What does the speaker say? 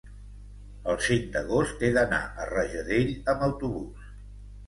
el cinc d'agost he d'anar a Rajadell amb autobús.